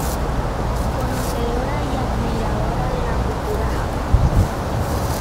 Conocedora y admiradora de la cultura japonesa.